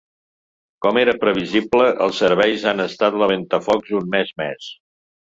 Com era previsible, els serveis han estat la ventafocs un mes més.